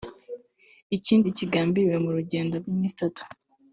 Ikindi kigambiriwe mu uru rugendo rw’iminsi itatu